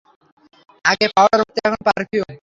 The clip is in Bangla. আগে পাউডার মাখতো এখন পারফিউম।